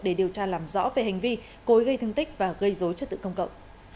để điều tra làm rõ về hành vi cối gây thương tích và gây dối chất tự công cậu